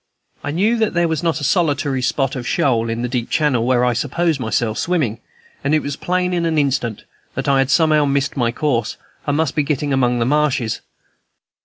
I knew that there was not a solitary spot of shoal in the deep channel where I supposed myself swimming, and it was plain in an instant that I had somehow missed my course, and must be getting among the marshes.